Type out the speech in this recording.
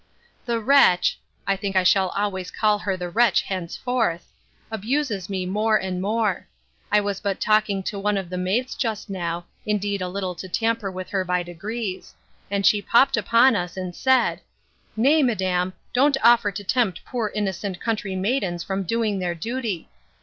The wretch (I think I will always call her the wretch henceforth) abuses me more and more. I was but talking to one of the maids just now, indeed a little to tamper with her by degrees: and she popt upon us, and said—Nay, madam, don't offer to tempt poor innocent country maidens from doing their duty.